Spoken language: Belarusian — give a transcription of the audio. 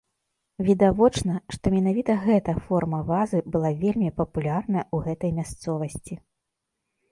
Відавочна, што менавіта гэта форма вазы была вельмі папулярная ў гэтай мясцовасці.